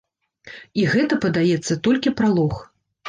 І гэта, падаецца, толькі пралог.